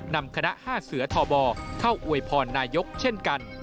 นำคณะ๕เสือทบเข้าอวยพรนายกเช่นกัน